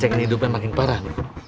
aduh ini hidupnya semakin parah